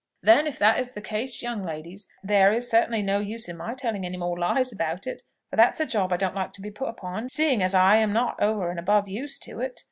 "Then if that is the case, young ladies, there is certainly no use in my telling any more lies about it; for that's a job I don't like to be put upon, seeing as I am not over and above used to it.